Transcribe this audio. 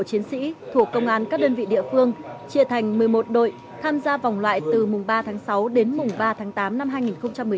chiến sĩ thuộc công an các đơn vị địa phương chia thành một mươi một đội tham gia vòng loại từ mùng ba tháng sáu đến mùng ba tháng tám năm hai nghìn một mươi chín